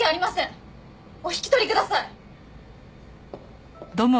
お引き取りください！